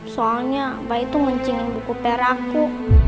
soalnya bayi itu ngingin buku peraku